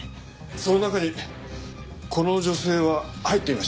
その中にこの女性は入っていましたか？